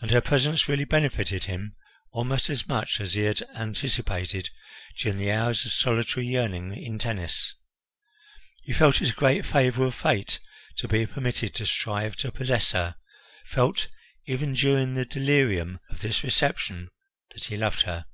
And her presence really benefited him almost as much as he had anticipated during the hours of solitary yearning in Tennis; he felt it a great favour of Fate to be permitted to strive to possess her, felt even during the delirium of this reception that he loved her.